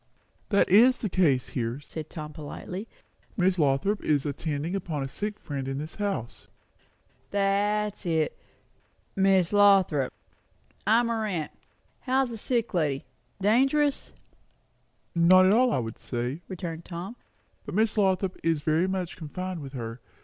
"That is the case here," said Tom politely. "Miss Lothrop is attending upon a sick friend in this house." "That's it Miss Lothrop. I'm her aunt. How's the sick lady? Dangerous?" "Not at all, I should say," returned Tom; "but Miss Lothrop is very much confined with her.